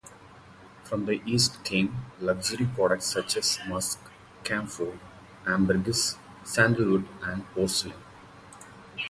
From the east came luxury products such as musk, camphor, ambergris, sandalwood and porcelain.